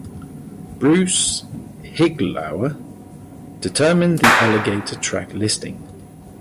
Bruce Iglauer determined the Alligator track listing.